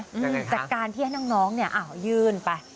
ยังไงคะจากการที่ให้น้องนี่ยืนไป